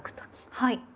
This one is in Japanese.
はい。